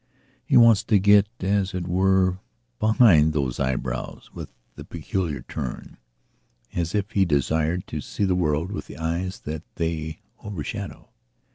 He wants to get, as it were, behind those eyebrows with the peculiar turn, as if he desired to see the world with the eyes that they overshadow.